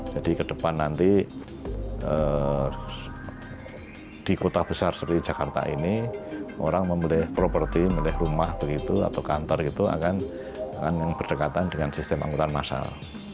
jadi ke depan nanti di kota besar seperti jakarta ini orang memilih properti memilih rumah begitu atau kantor itu akan berdekatan dengan sistem anggota masyarakat